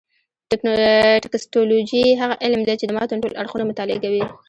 ټکسټولوجي هغه علم دﺉ، چي د متن ټول اړخونه مطالعه کوي.